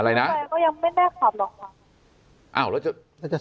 อะไรนะแต่ก็ยังไม่ได้ขับหรอกค่ะ